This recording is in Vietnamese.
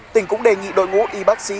tỉnh cũng đề nghị đội ngũ y bác sĩ